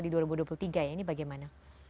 di dua ribu dua puluh tiga ya ini bagaimana